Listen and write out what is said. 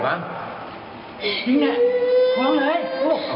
ไม่ค่อยมีแบบนั้น